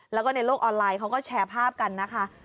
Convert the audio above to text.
แล้วก็ในโลกออนไลน์เขาก็แชร์ภาพกันนะคะ